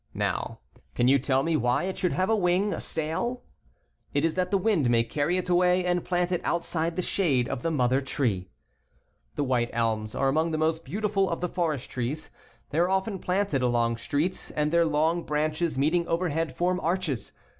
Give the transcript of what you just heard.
Now, can you tell me why it should have a wing, a sail ? It is that the wind may carry it away and plant it outside the shade of the mother tree. The white elms are among the most beautiful of the forest trees. They are often planted along streets, and their long branches meeting overhead form arches.